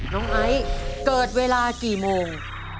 ไอซ์เกิดเวลากี่โมง